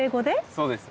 そうです。